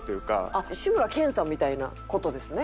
志村けんさんみたいな事ですね。